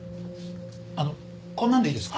あのこんなんでいいですか？